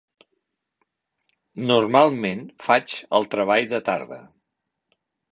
Normalment, faig el treball de tarda.